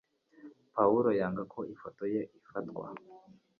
Pawulo yanga ko ifoto ye ifatwa